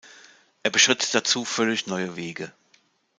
Er beschritt dazu völlig neue Wege.